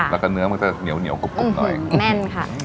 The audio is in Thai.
แล้วก็เนื้อมันก็จะเหนียวกรุบหน่อย